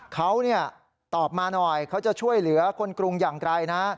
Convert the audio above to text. เขาตอบมาหน่อยเขาจะช่วยเหลือคนกรุงอย่างไกลนะ